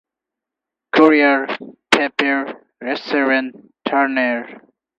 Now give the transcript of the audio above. "Kurier, Papier, rasieren, Turnier".